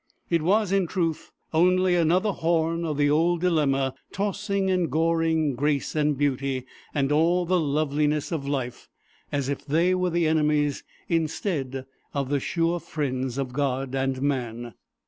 It was in truth only another horn of the old dilemma, tossing and goring grace and beauty, and all the loveliness of life, as if they were the enemies instead of the sure friends of God and man."